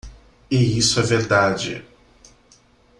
E isso é verdade.